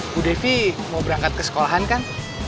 bu devi mau berangkat ke sekolahan kan